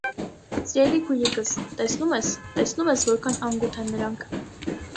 - Սիրելի՛ քույրիկս, տեսնո՞ւմ ես, տեսնո՞ւմ ես, որքան անգութ են նրանք…